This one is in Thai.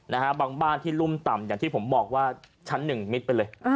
นะฮะบางบ้านที่รุ่มต่ำอย่างที่ผมบอกว่าชั้นหนึ่งมิดไปเลย